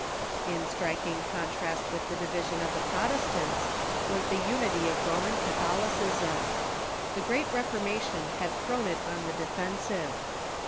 In striking contrast with tlie division of the Protestants was the unity of Roman Catholicism. The great Reformation had Roman thrown it on the defensive.